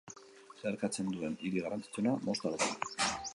Zeharkatzen duen hiri garrantzitsuena Mostar da.